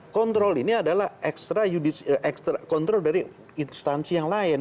kontrol ini adalah kontrol dari instansi yang lain